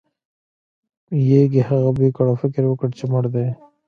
یږې هغه بوی کړ او فکر یې وکړ چې مړ دی.